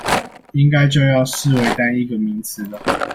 應該就要視為單一個名詞了